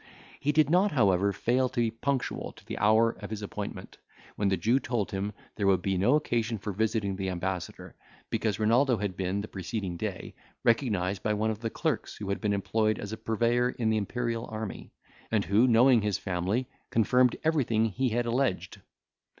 He did not, however, fail to be punctual to the hour of his appointment, when the Jew told him, there would be no occasion for visiting the ambassador, because Renaldo had been, the preceding day, recognised by one of the clerks who had been employed as a purveyor in the Imperial army; and who, knowing his family, confirmed everything he had alleged.